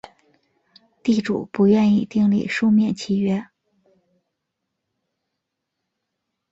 地主不愿意订立书面契约